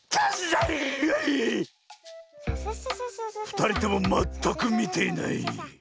ふたりともまったくみていない。